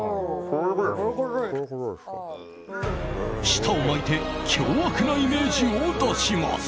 舌を巻いて凶悪なイメージを出します。